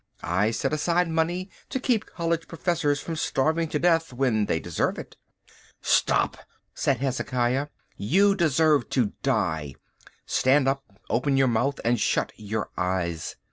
I set aside money to keep college professors from starving to death when they deserve it." "Stop!" said Hezekiah, "you deserve to die. Stand up. Open your mouth and shut your eyes."